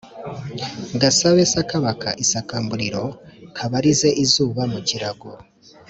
'gasabe sakabaka isakamburiro ; kabarize izuba mu kirago;